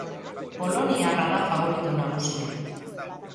Poloniarra da faborito nagusia.